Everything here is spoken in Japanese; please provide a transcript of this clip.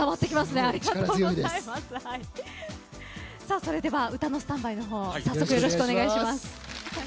それでは歌のスタンバイの方をよろしくお願いします。